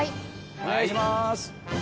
お願いします。